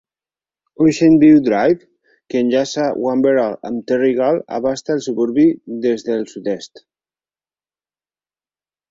Ocean View Drive, que enllaça Wamberal amb Terrigal, abasta el suburbi des del sud-est.